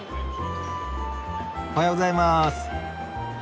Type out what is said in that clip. おはようございます。